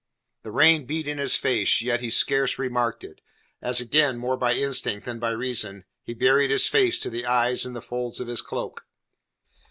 The rain beat in his face, yet he scarce remarked it, as again more by instinct than by reason he buried his face to the eyes in the folds of his cloak.